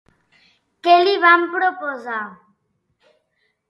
Què li van proposar?